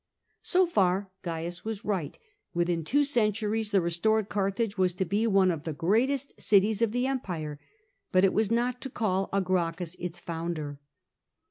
So far Cains was right : within two centuries the restored Carthage was to be one of the greatest cities of the empire, but it was not to call a Gracchus its founder.